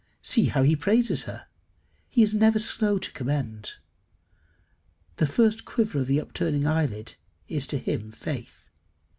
See how he praises her. He is never slow to commend. The first quiver of the upturning eyelid is to him faith.